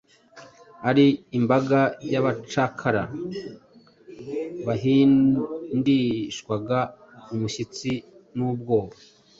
ari imbaga y’abacakara bahindishwaga umushyitsi n’ubwoba,